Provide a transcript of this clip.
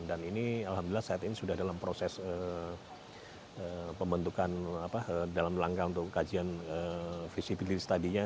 dan ini alhamdulillah saat ini sudah dalam proses pembentukan dalam langkah untuk kajian visibilis tadinya